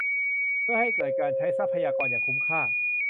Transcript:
เพื่อให้เกิดการใช้ทรัพยากรอย่างคุ้มค่า